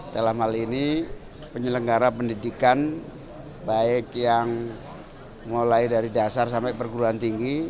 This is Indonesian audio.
dalam hal ini penyelenggara pendidikan baik yang mulai dari dasar sampai perguruan tinggi